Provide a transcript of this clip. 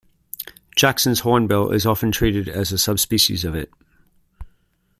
Jackson's hornbill is often treated as a subspecies of it.